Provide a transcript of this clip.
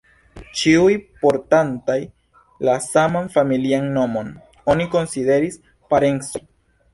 Ĉiuj, portantaj la saman familian nomon, oni konsideris parencoj.